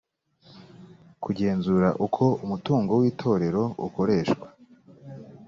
kugenzura uko umutungo w itorero ukoreshwa